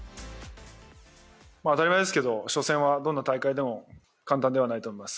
当たり前ですけど初戦はどんな大会でも簡単ではないと思います。